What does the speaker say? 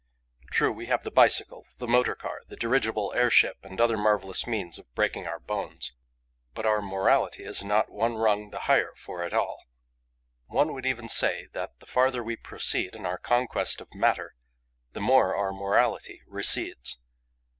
True, we have the bicycle, the motor car, the dirigible airship and other marvellous means of breaking our bones; but our morality is not one rung the higher for it all. One would even say that, the farther we proceed in our conquest of matter, the more our morality recedes.